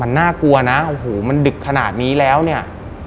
มันน่ากลัวนะโอ้โหมันดึกขนาดนี้แล้วเนี่ย